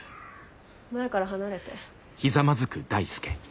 摩耶から離れて。